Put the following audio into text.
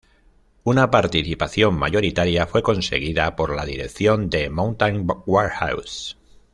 Una participación mayoritaria fue conseguida por la dirección de Mountain Warehouse.